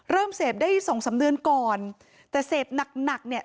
เริ่มเสพได้สองสามเดือนก่อนแต่เสพหนักหนักเนี่ย